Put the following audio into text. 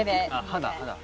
肌？